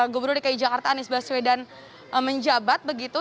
gubernur dki jakarta anies baswedan menjabat begitu